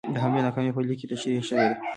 د حملې ناکامي په لیک کې تشرېح شوې ده.